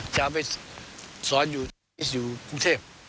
จะไปสอนอุทิศอยู่กรุงเทพ